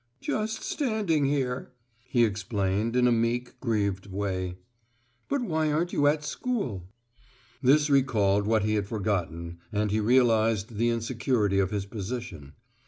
"Just standing here," he explained in a meek, grieved way. "But why aren't you at school?" This recalled what he had forgotten, and he realized the insecurity of his position.